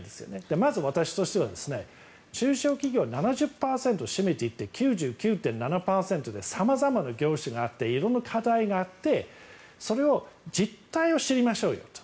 まず、私としては中小企業、７０％を占めていて９９．７％で様々な業種があって色んな課題があってそれを実態を知りましょうよと。